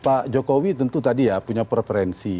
pak jokowi tentu tadi ya punya preferensi